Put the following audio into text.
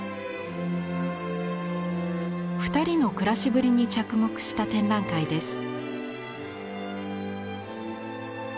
２人のくらしぶりに着目した展覧会です。